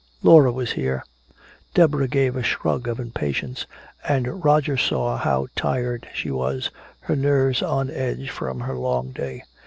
"Laura was here." Deborah gave a shrug of impatience, and Roger saw how tired she was, her nerves on edge from her long day.